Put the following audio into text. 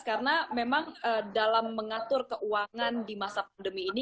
karena memang dalam mengatur keuangan di masa pandemi ini